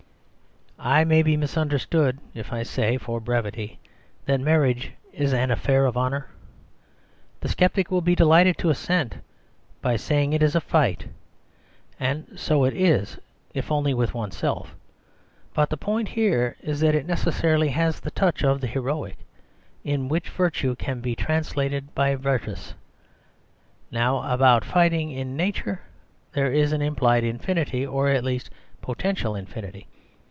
• I may be misunderstood if I say, for brevity, / that marriage is an affair of honour. The sceptic will be delighted to assent, by saying it is a fight. And so it is, if only with oneself ; but the point here is that it necessarily has the touch of the heroic, in which virtue can be translated by virtus. Now about fighting, in its nature, there is an implied infinity, or at least a potential infinity.